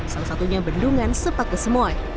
salah satunya bendungan sepakusmoi